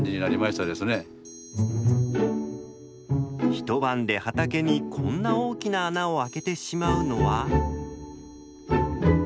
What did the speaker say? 一晩で畑にこんな大きな穴を開けてしまうのは。